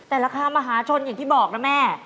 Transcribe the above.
แต่ราคามหาชนอย่างที่บอกนะแม่